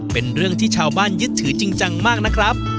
เป็นเรื่องที่ชาวบ้านยึดถือจริงจังมากนะครับ